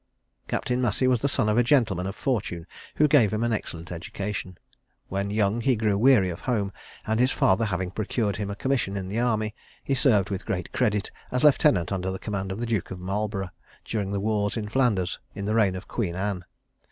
Captain Massey was the son of a gentleman of fortune, who gave him an excellent education. When young, he grew weary of home; and his father having procured him a commission in the army, he served with great credit as lieutenant under the command of the Duke of Marlborough, during the wars in Flanders, in the reign of Queen Anne.